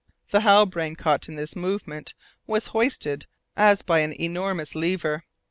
The Halbrane, caught in this movement, was hoisted as by an enormous lever.